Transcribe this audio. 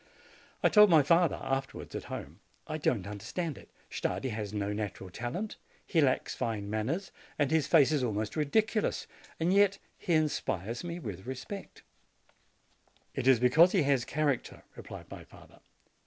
I told my father afterwards, at home: "I don't understand it; Stardi has no natural talent, he lacks fine manners, and his face is almost ridiculous; yet he inspires me with respect." "It is because he has character," replied my father.